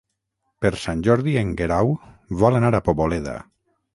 Per Sant Jordi en Guerau vol anar a Poboleda.